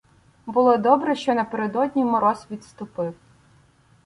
Було добре, що напередодні мороз відступив.